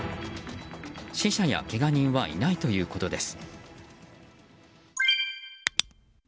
死者やけが人はいないということです。